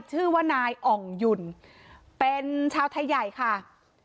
ชื่อว่านายอ่องหยุ่นเป็นชาวไทยใหญ่ค่ะ